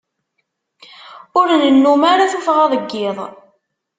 Ur nennum ara tuffɣa deg iḍ.